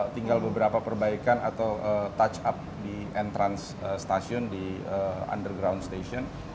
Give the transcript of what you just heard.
tinggal beberapa perbaikan atau touch up di entrans stasiun di underground station